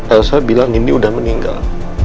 elsa bilang nindi udah meninggal